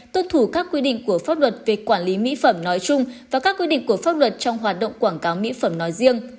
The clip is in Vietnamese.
tuân thủ các quy định của pháp luật về quản lý mỹ phẩm nói chung và các quy định của pháp luật trong hoạt động quảng cáo mỹ phẩm nói riêng